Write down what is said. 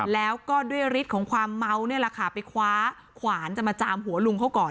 แล้วก็ด้วยฤทธิ์ของความเมานี่แหละค่ะไปคว้าขวานจะมาจามหัวลุงเขาก่อน